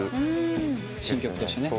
新曲としてね。